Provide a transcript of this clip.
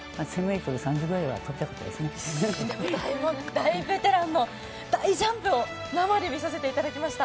大ベテランの大ジャンプを生で見させてもらいました。